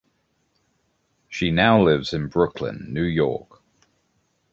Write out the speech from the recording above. She now lives in Brooklyn, New York.